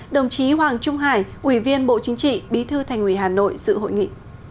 đồng chí hoàng trung hải ủy viên bộ chính trị bí thư thành ủy hà nội dự hội nghị